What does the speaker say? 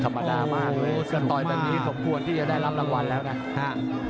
ธรรมดามากเลยก็ต่อยแบบนี้สมควรที่จะได้รับรางวัลแล้วนะ